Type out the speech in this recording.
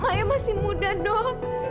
maya masih muda dok